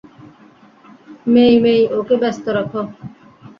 মেই-মেই, ওকে ব্যস্ত রাখো।